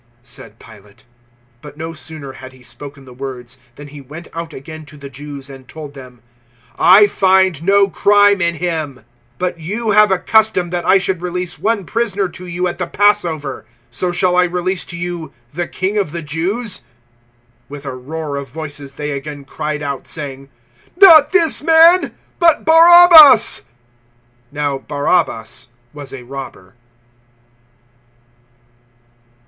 said Pilate. But no sooner had he spoken the words than he went out again to the Jews and told them, "I find no crime in him. 018:039 But you have a custom that I should release one prisoner to you at the Passover. So shall I release to you the King of the Jews?" 018:040 With a roar of voices they again cried out, saying, "Not this man, but Barabbas!" Now Barabbas was a robber.